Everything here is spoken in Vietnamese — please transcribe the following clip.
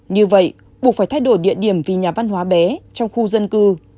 như vậy buộc phải thay đổi địa điểm vì nhà văn hóa bé trong khu dân cư